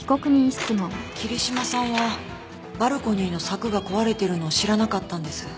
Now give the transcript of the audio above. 桐島さんはバルコニーの柵が壊れているのを知らなかったんです。